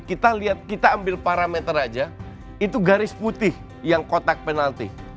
kita ambil parameter saja itu garis putih yang kotak penalti